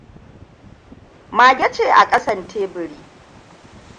Mage ce a kasan teburi.